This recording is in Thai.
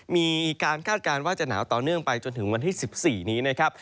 มีการคาดการณ์ว่าจะหนาวต่อเนื่องไปจนถึงวันที่๑๔นี้นะครับ